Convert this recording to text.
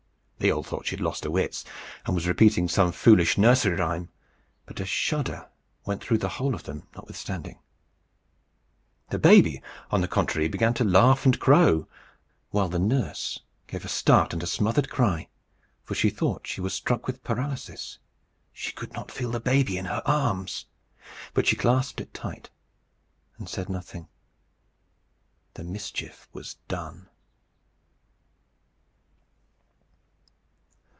They all thought she had lost her wits, and was repeating some foolish nursery rhyme; but a shudder went through the whole of them notwithstanding. The baby, on the contrary, began to laugh and crow; while the nurse gave a start and a smothered cry, for she thought she was struck with paralysis: she could not feel the baby in her arms. But she clasped it tight and said nothing. The mischief was done.